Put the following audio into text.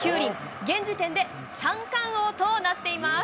現時点で三冠王となっています。